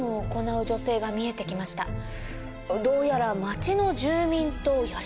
どうやら。